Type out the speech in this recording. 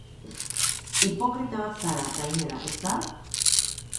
Hipokrita bat zara, gainera, ezta?